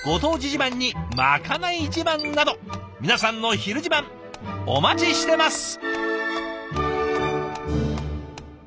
自慢にまかない自慢など皆さんの「ひる自慢」お待ちしてます。